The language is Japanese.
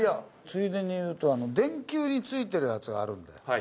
ついでに言うと電球に付いてるやつがあるんだよ。